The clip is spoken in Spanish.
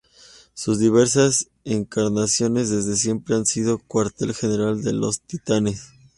Sus diversas encarnaciones desde siempre han sido cuartel general de los Titanes.